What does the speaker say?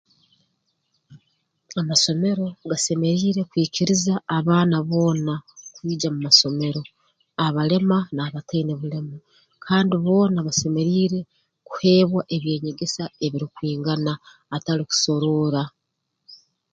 Amasomero gasemeriire kwikiriza abaana boona kwija mu masomero abalema n'abataine bulema kandi boona basemeriire kuheebwa eby'enyegesa ebirukwingana atali kusoroora